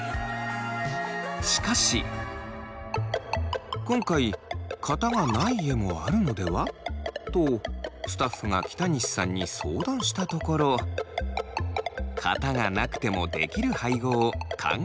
しかし今回「型がない家もあるのでは？」とスタッフが北西さんに相談したところ型がなくてもできる配合を考えてくれました。